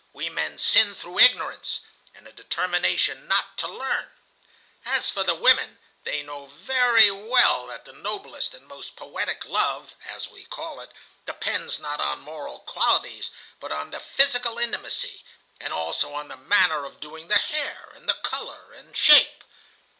We men sin through ignorance, and a determination not to learn. As for the women, they know very well that the noblest and most poetic love, as we call it, depends, not on moral qualities, but on the physical intimacy, and also on the manner of doing the hair, and the color and shape.